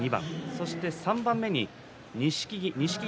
そして３番目に錦木。